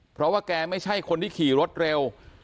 เพราะว่าแกไม่ใช่คนที่ขี่รถเร็ว